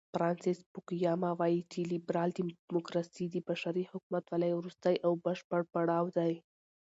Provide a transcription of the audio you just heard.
فرانسیس فوکویاما وایي چې لیبرال دیموکراسي د بشري حکومتولۍ وروستی او بشپړ پړاو دی.